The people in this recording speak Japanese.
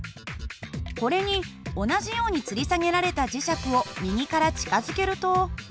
これに同じようにつり下げられた磁石を右から近づけると。